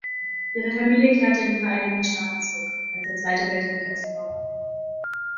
Ihre Familie kehrte in die Vereinigten Staaten zurück, als der Zweite Weltkrieg ausbrach.